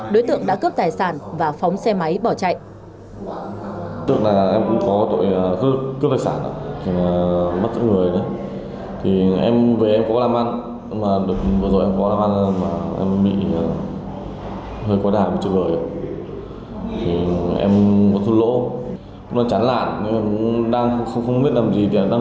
đối tượng đã cướp tài sản và phóng xe máy bỏ chạy